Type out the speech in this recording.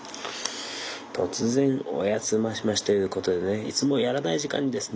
「とつぜんおやつマシマシ」ということでねいつもやらない時間にですね